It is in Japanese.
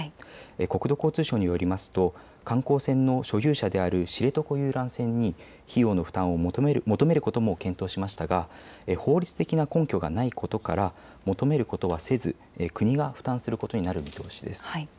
国土交通省によりますと観光船の所有者である知床遊覧船に費用の負担を求めることも検討しましたが法律的な根拠がないことから求めることはせず国が負担することになる見通しです。